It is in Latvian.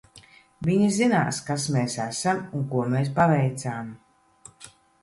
Viņi zinās, kas mēs esam un ko mēs paveicām.